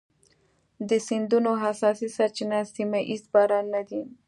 د سیندونو اساسي سرچینه سیمه ایز بارانونه دي.